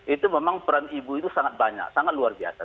itu memang peran ibu itu sangat banyak sangat luar biasa